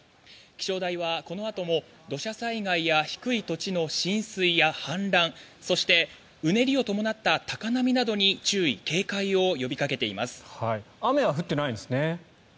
気象台はこのあとも土砂災害や低い土地の浸水や氾濫そして、うねりを伴った高波などに注意・警戒を呼びかけています。